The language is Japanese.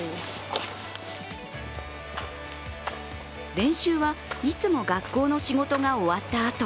練習はいつも学校の仕事が終わったあと。